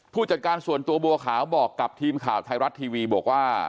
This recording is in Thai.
จัดการส่วนตัวบัวขาวบอกกับทีมข่าวไทยรัฐทีวีบอกว่า